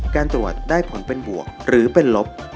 การตรวจได้ผลเป็นบวกหรือเป็นลบ